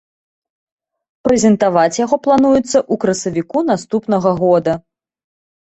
Прэзентаваць яго плануецца ў красавіку наступнага года.